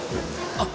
あっ。